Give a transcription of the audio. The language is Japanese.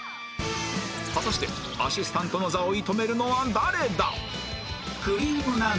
果たしてアシスタントの座を射止めるのは誰だ？